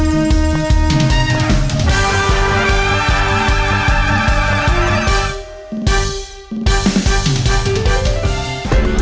โปรดติดตามตอนต่อไป